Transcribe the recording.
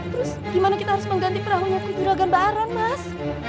terus gimana kita harus mengganti perahu nya ke juragan baaran mas